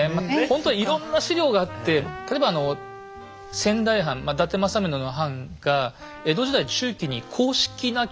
ほんとにいろんな史料があって例えばあの仙台藩伊達政宗の藩が江戸時代中期に公式な記録を作ってるんですね。